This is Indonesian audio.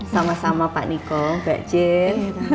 sama sama pak niko mbak jen